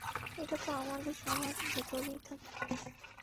এটা তো আমাদের সবার ভেতরেই থাকে।